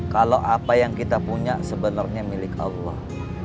kalo apa yang kita punya sebenernya milik allah